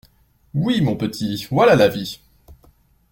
Oui, mon petit, voilà la vie.